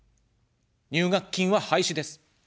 入学金は廃止です。